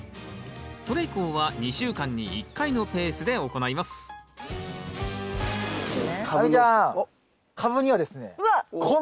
それ以降は２週間に１回のペースで行います亜美ちゃん！